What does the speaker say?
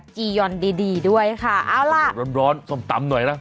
จียอนดีด้วยค่ะเอาล่ะร้อนส้มตำหน่อยล่ะ